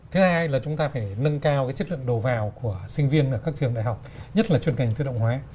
thứ hai là chúng ta phải nâng cao cái chất lượng đồ vào của sinh viên ở các trường đại học nhất là truyền cảnh tự động hóa